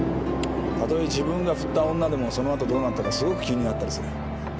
たとえ自分が振った女でもその後どうなったかすごく気になったりする。